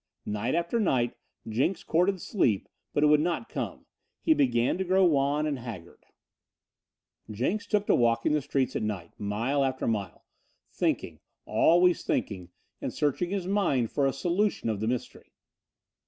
Night after night Jenks courted sleep, but it would not come. He began to grow wan and haggard. Jenks took to walking the streets at night, mile after mile, thinking, always thinking, and searching his mind for a solution of the mystery.